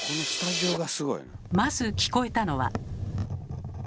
まず聞こえたのは。